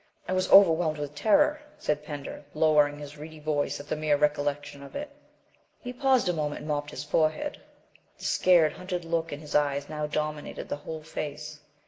" I was overwhelmed with terror," said Pender, lowering his reedy voice at the mere recollection of it. He paused a moment and mopped his forehead. The scared, hunted look in his eyes now dominated the whole face.